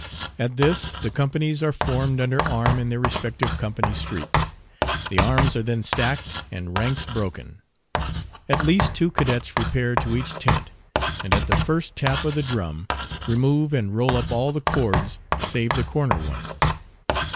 At this the companies are formed under arm in their respective company streets. The arms are then stacked and ranks broken. At least two cadets repair to each tent, and at the first tap of the drum remove and roll up all the cords save the corner ones.